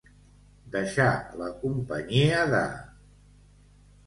Deixar la companyia de.